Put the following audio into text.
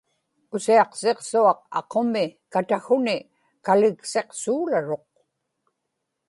usiaqsiqsuaq aqumi katakhuni kaliksiqsuularuq